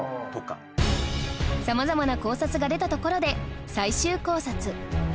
様々な考察が出たところで最終考察